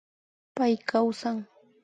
Pay kawsan